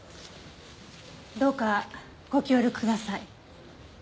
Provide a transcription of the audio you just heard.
どうかご協力ください。